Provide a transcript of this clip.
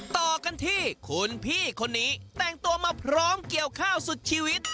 ต่อกันที่คุณพี่คนนี้แต่งตัวมาพร้อมเกี่ยวข้าวสุดชีวิต